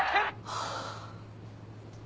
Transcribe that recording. ハァ。